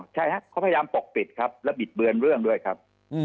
ใช่ครับเขาพยายามปกปิดครับและบิดเบือนเรื่องด้วยครับ